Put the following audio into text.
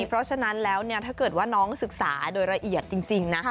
เพราะฉะนั้นแล้วถ้าเกิดว่าน้องศึกษาโดยละเอียดจริงนะ